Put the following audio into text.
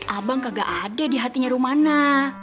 abang kagak ada di hatinya rumah na